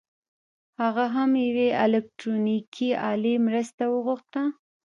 هغه د یوې الکټرونیکي الې مرسته وغوښته